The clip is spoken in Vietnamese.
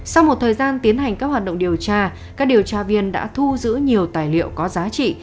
sau một thời gian tiến hành các hoạt động điều tra các điều tra viên đã thu giữ nhiều tài liệu có giá trị